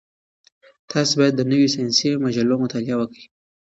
تاسي باید د نویو ساینسي مجلو مطالعه وکړئ.